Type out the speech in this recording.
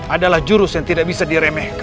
adalah jurus yang tidak bisa diremeh